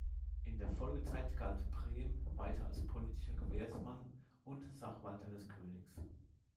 In der Folgezeit galt Prem weiter als politischer Gewährsmann und Sachwalter des Königs.